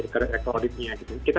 karena ekorodipnya gitu